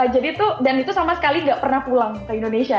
jadi tuh dan itu sama sekali gak pernah pulang ke indonesia